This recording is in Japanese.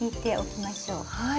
はい。